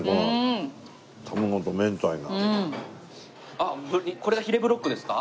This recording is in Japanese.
あっこれがヒレブロックですか？